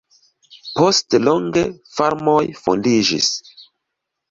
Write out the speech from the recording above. Poste longe farmoj fondiĝis.